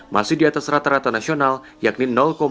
masih di atas rata rata nasional yakni tiga ratus delapan puluh sembilan